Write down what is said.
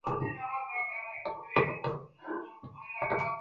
ভালো করলুম না তর্ক তুলে।